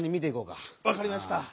わかりました。